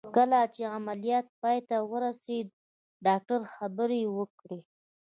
کله چې عمليات پای ته ورسېد ډاکتر خبرې وکړې.